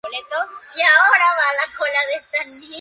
Los glóbulos de Bok son actualmente objetos de intensa investigación.